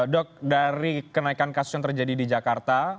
dok dari kenaikan kasus yang terjadi di jakarta